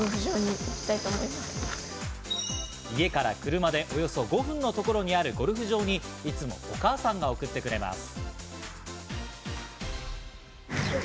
家から車でおよそ５分のところにあるゴルフ場に、いつもお母さんが送ってくれます。